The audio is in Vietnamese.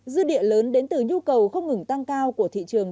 dư địa lớn đến từ nhu cầu không ngừng tăng cao của thị trường